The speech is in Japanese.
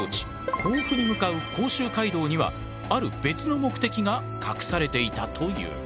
甲府に向かう甲州街道にはある別の目的が隠されていたという。